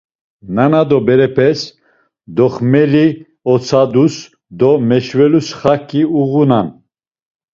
Nana do berepes, doxmeli otsadus do meşvelus xaǩi uğunan.